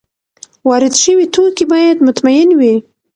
وارد شوي توکي باید مطمین وي.